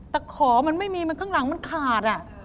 ตะของมันไม่มีข้างหลังมันขาด